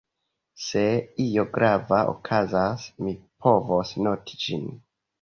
Se io grava okazas, mi povos noti ĝin.